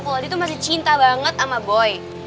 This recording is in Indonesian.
kalau dia tuh masih cinta banget sama boy